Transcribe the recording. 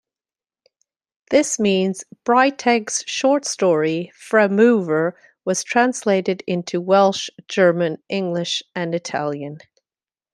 This means Breiteig's short story "Fremover" was translated into Welsh, German, English and Italian.